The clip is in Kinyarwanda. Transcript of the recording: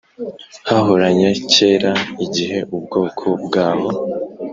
hahoranye kera Igihe ubwoko bwaho